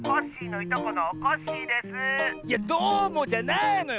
いや「どうも」じゃないのよ！